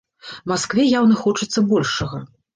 Маскве яўна хочацца большага.